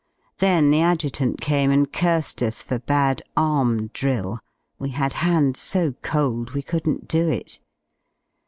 Then the Adjutant came and cursed us for bad arm drill; we had hands so cold we couldn't do it.